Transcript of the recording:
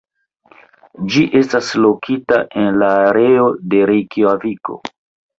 Ĝi estas lokita en la areo de Rejkjaviko.